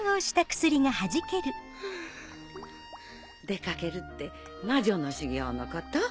出掛けるって魔女の修行のこと？